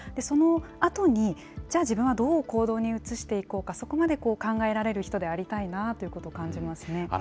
そのあとに、じゃあ自分はどう行動に移していこうか、そこまで考えられる人でありたいなということを感じますね。